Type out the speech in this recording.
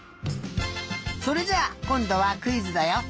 それじゃあこんどはクイズだよ。